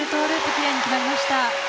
キレイに決まりました。